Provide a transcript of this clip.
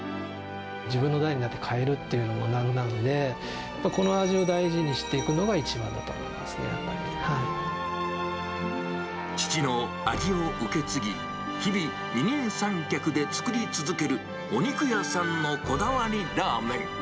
自分の代になって変えるっていうのもなんなんで、この味を大事にしていくのが一番だと思いま父の味を受け継ぎ、日々、二人三脚で作り続ける、お肉屋さんのこだわりラーメン。